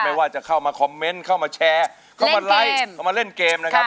ไม่ว่าจะเข้ามาคอมเมนต์เข้ามาแชร์เข้ามาไลฟ์เข้ามาเล่นเกมนะครับ